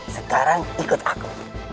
sekarang ikut aku